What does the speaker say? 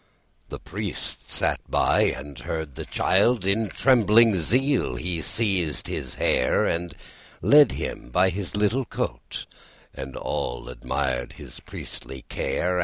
The Priest sat by and heard the child; In trembling zeal he seized his hair, He led him by his little coat, And all admired his priestly care.